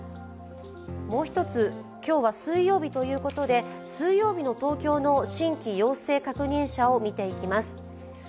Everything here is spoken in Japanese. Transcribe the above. もう一つ、今日は水曜日ということで水曜日の東京の新規陽性確認者を見ていきます。